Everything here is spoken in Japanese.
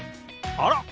あら？